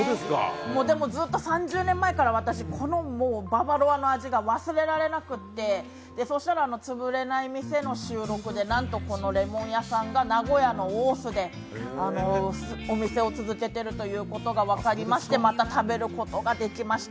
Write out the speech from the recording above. でもずっと３０年前から私、このババロアの味が忘れられなくてそしたら「つぶれない店」の収録でなんとこの檸檬屋さんが名古屋の大須でお店を続けていることが分かりまして、また食べることができました。